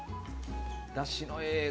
だしのええ